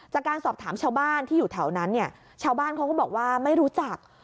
จากการสอบถามชาวบ้านที่อยู่แถวนั้นเนี่ยชาวบ้านเขาก็บอกว่าไม่รู้จัก